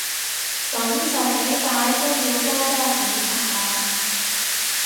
噉就幾歹都要多多檢查啦